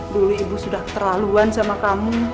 dulu ibu sudah terlaluan sama kamu